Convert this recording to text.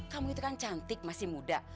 kamu itu kan cantik masih muda